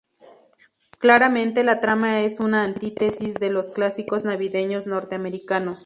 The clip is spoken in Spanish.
Claramente, la trama es una antítesis de los clásicos navideños norteamericanos.